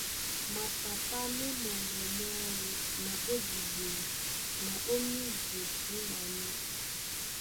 Mapapá ma e mɔŋgɔ mwáō na ó dibum na ó mídi míɓanɛ́.